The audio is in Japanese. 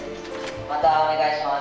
またお願いします。